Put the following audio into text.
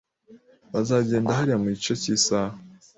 Bazagenda hariya mugice cyisaha.